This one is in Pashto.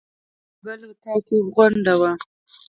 په بل اطاق کې یې غونډه وه.